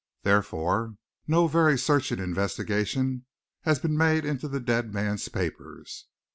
Therefore, no very searching investigation has been made into the dead man's papers.